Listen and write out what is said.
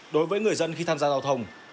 đối với người dân khi tham gia giao thông